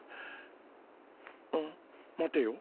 あっ待てよ。